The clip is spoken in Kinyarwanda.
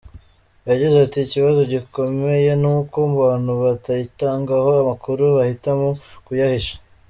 Yagize ati “Ikibazo gikomeye, ni uko abantu batayitangaho amakuru, bahitamo kuyahisha.